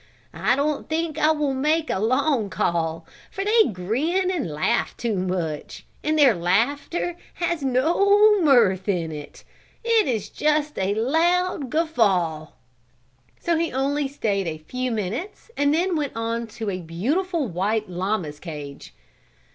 I don't think I will make a long call, for they grin and laugh too much, and their laughter has no mirth in it. It is just a loud guffaw." So he only stayed a few minutes and then went on to a beautiful white llama's cage.